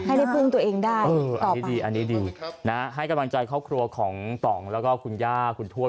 ให้ได้พึ่งตัวเองได้อันนี้ดีอันนี้ดีนะให้กำลังใจครอบครัวของต่องแล้วก็คุณย่าคุณทวด